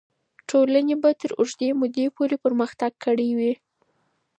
ټولنه به تر اوږدې مودې پورې پرمختګ کړی وي.